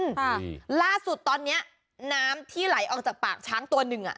ค่ะล่าสุดตอนเนี้ยน้ำที่ไหลออกจากปากช้างตัวหนึ่งอ่ะ